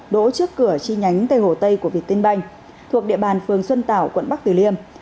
đỗ trước cửa chi nhánh tây hồ tây của việt tiên banh thuộc địa bàn phường xuân tảo quận bắc tử liêm